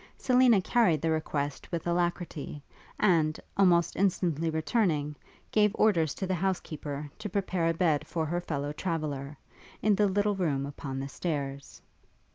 Selina carried the request with alacrity, and, almost instantly returning, gave orders to the housekeeper to prepare a bed for her fellow traveller, in the little room upon the stairs.